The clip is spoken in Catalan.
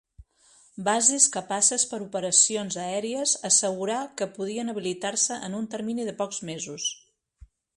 Bases capaces per operacions aèries, assegurà que podien habilitar-se en un termini de pocs mesos.